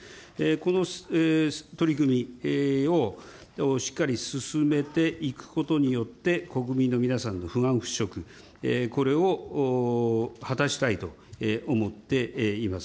この取り組みをしっかり進めていくことによって、国民の皆さんの不安払拭、これを果たしたいと思っています。